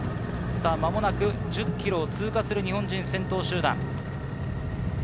間もなく１０ｋｍを通過する日本人先頭集団。